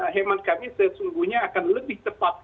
hemat kami sesungguhnya akan lebih tepat